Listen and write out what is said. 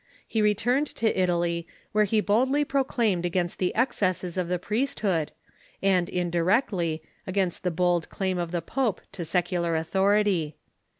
He returned to Italy, where he boldly proclaimed against the excesses of the priesthood, and, indirectly, against the bold claim of the pope to secular authority.